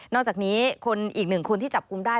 อกจากนี้คนอีกหนึ่งคนที่จับกลุ่มได้